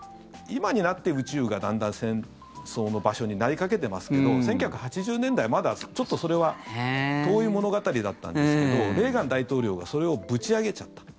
今になって宇宙が、だんだん戦争の場所になりかけてますけど１９８０年代、まだちょっとそれは遠い物語だったんですけどレーガン大統領がそれをぶち上げちゃった。